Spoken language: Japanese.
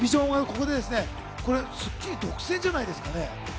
これ『スッキリ』独占じゃないですかね？